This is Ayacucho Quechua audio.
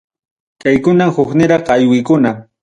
Kaykunam hukniraq aywikuna.